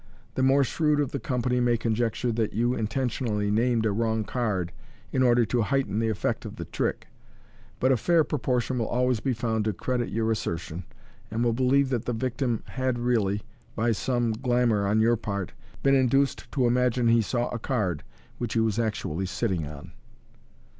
The more shrewd of the company may conjecture that you intentionally named a wrong card in order to heighten the effect of the trick j but a fair propor tion will always be found to credit your assertion, and will believe that the victim had really, by s me glamour on your part, been induced to imagine he saw a card which he was actually sitting on.